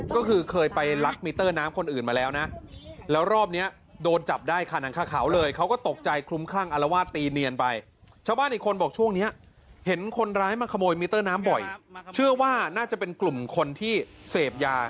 ก็คือเคยไปลักมิเตอร์น้ำคนอื่นมาแล้วนะ